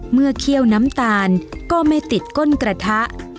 เคี่ยวน้ำตาลก็ไม่ติดก้นกระทะ